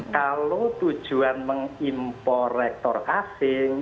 kalau tujuan mengimpor rektor asing